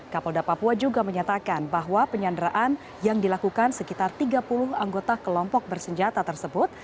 kapolda papua juga menyatakan bahwa penyanderaan yang dilakukan sekitar tiga puluh anggota kelompok bersenjata tersebut